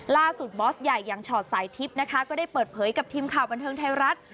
บอสใหญ่อย่างชอตสายทิพย์นะคะก็ได้เปิดเผยกับทีมข่าวบันเทิงไทยรัฐ